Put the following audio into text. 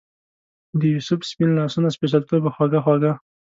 دیوسف سپین سپیڅلتوبه خوږه خوږه